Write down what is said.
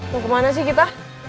mau kemana sih kita